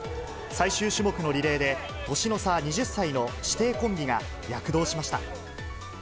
最終種目のリレーで、年の差２０歳の師弟コンビが躍動しました。